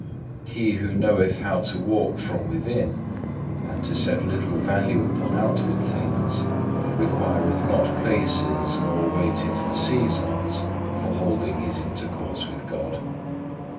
He who knoweth how to walk from within, and to set little value upon outward things, requireth not places nor waiteth for seasons, for holding his intercourse with God.